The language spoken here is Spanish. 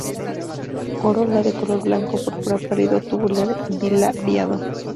Corola de color blanco o púrpura pálido, tubular, bilabiado.